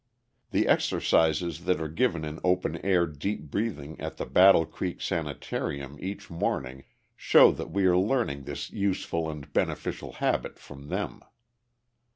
The exercises that are given in open air deep breathing at the Battle Creek sanitarium each morning show that we are learning this useful and beneficial habit from them.